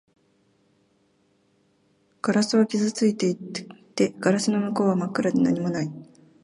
ガラスは傷ついていて、ガラスの向こうは真っ暗で何もない